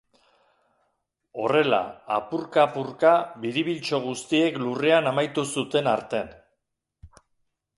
Horrela, apurka-apurka biribiltxo guztiek lurrean amaitu zuten arte.